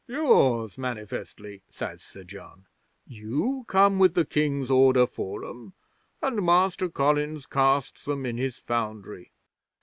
'"Yours, manifestly," says Sir John. "You come with the King's Order for 'em, and Master Collins casts them in his foundry.